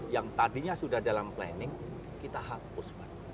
yang tadinya sudah dalam planning kita hapus